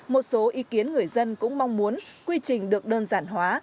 một số ý kiến người dân cũng mong muốn quy trình được đơn giản hóa